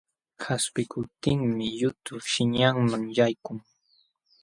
Qaspikuptinmi yutu sihñanman yaykun.